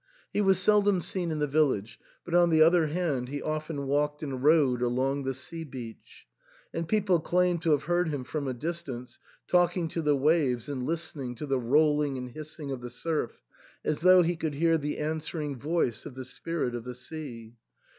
He was seldom seen in the village, but on the other hand he often walked and rode along the sea beach ; and people claimed to have heard him from a distance, talking to the waves and listening to the rolling and hissing of the surf, as though he could hear the answer ing voice of the spirit of the sea.